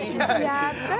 やったー